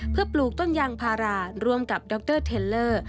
เพื่อปลูกต้นยางพาราร่วมกับดรเทลเลอร์